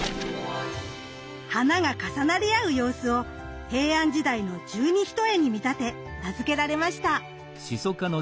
花が重なり合う様子を平安時代の十二ひとえに見立て名付けられました。